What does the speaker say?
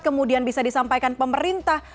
kemudian bisa disampaikan pemerintah